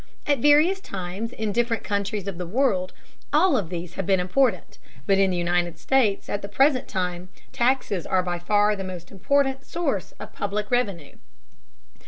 At various times and in different countries of the world, all of these have been important, but in the United States at the present time taxes are by far the most important source of public revenue.